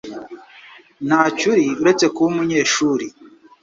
Ntacyo uri uretse kuba umunyeshuri.